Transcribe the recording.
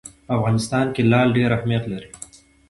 په افغانستان کې لعل ډېر اهمیت لري.